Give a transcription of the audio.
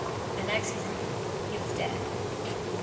The next morning he was dead.